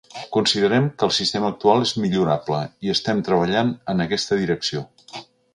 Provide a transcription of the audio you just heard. Considerem que el sistema actual és millorable i estem treballant en aquesta direcció.